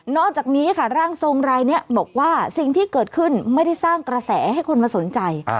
จากนี้ค่ะร่างทรงรายนี้บอกว่าสิ่งที่เกิดขึ้นไม่ได้สร้างกระแสให้คนมาสนใจ